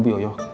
terima kasih pak